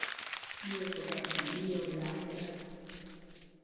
Người có vẻ sống nhiều, lõi đời